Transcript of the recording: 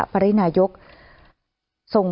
ไปเยี่ยมผู้แทนพระองค์